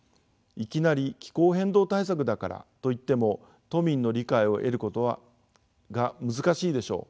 いきなり「気候変動対策だから」と言っても都民の理解を得ることが難しいでしょう。